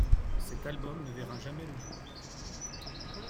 Cet album ne verra jamais le jour.